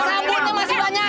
sabunnya masih banyak